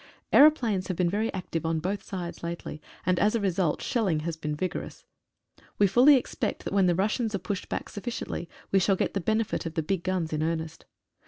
Aero planes have been very active on both sides lately, and as a result shelling has been vigorous. We fully expect that when the Russians are pushed back sufficiently we shall get the benefit of the big guns in earnest.